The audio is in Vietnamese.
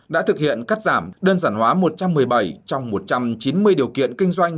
đã thực hiện cắt giảm đơn giản hóa một trăm một mươi bảy trong một trăm chín mươi điều kiện kinh doanh